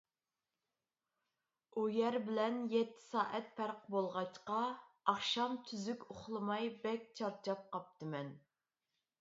ئۇ يەر بىلەن يەتتە سائەت پەرق بولغاچقا، ئاخشام تۈزۈك ئۇخلىماي بەك چارچاپ قاپتىمەن.